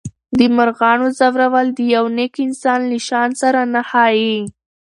د مرغانو ځورول د یو نېک انسان له شان سره نه ښایي.